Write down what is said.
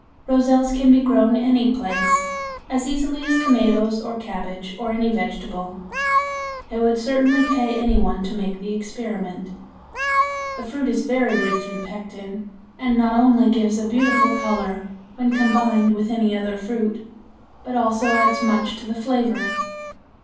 Roselles can be grown any place as easily as tomatoes or cabbage or any vegetable. It would certainly pay any one to make the experiment. The fruit is very rich in pectin, and not only gives a beautiful color when combined with any other fruit, but also adds much to the flavor.